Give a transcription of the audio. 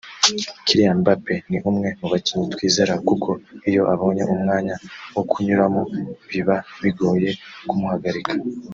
Kylian Mbappe ni umwe mu bakinnyi twizera kuko iyo abonye umwanya wo kunyuramo biba bigoye kumuhagarika